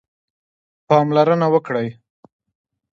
پاملرنه وکړئ